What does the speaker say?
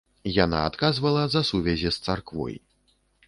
Яна адказвала за сувязі з царквой.